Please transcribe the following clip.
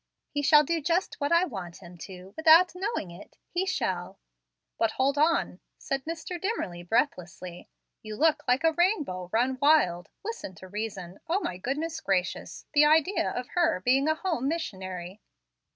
He shall do just what I want him to, without knowing it. He shall " "But, hold on," said Mr. Dimmerly, breathlessly. "You look like a rainbow run wild. Listen to reason. O my good gracious! the idea of her being a home missionary!"